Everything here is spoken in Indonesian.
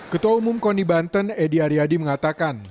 ketua umum kondi banten edy ariyadi mengatakan